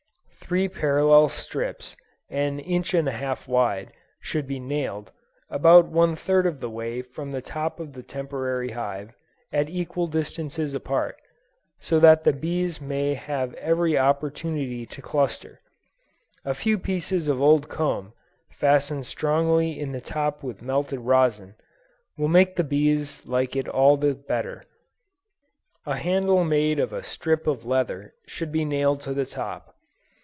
Three parallel strips, an inch and a half wide, should be nailed, about one third of the way from the top of the temporary hive, at equal distances apart, so that the bees may have every opportunity to cluster; a few pieces of old comb, fastened strongly in the top with melted rosin, will make the bees like it all the better. A handle made of a strip of leather, should be nailed on the top.